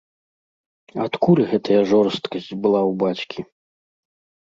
Адкуль гэтая жорсткасць была ў бацькі?